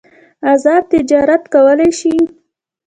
ازاد تجارت کولای شي.